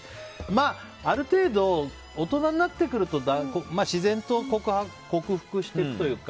まあ、ある程度大人になってくると自然と克服していくというか。